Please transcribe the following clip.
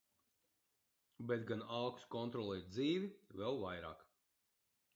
Bet gan alkas kontrolēt dzīvi vēl vairāk.